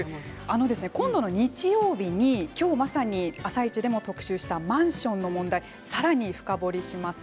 今度の日曜日に今日まさに「あさイチ」でも特集したマンションの問題さらに深掘りします。